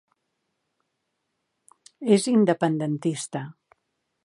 És independentista.